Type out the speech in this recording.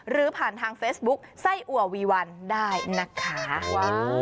หรือผ่านทางเฟซบุ๊คไส้อัววีวันได้นะคะว้าว